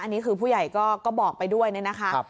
อันนี้คือผู้ใหญ่ก็บอกไปด้วยนะคะ